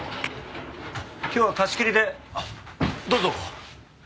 今日は貸し切りであっどうぞ。